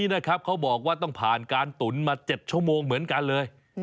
นี่นะครับเขาบอกว่าต้องผ่านการตุ๋นมา๗ชั่วโมงเหมือนกันเลย